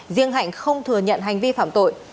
riêng hạnh không thừa nhận hành vi phạm tội